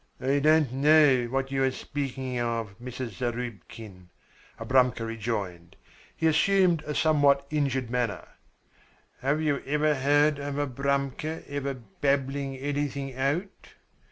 "I don't know what you are speaking of, Mrs. Zarubkin," Abramka rejoined. He assumed a somewhat injured manner. "Have you ever heard of Abramka ever babbling anything out?